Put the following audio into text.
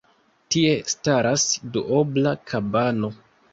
Tie staras duobla kabano.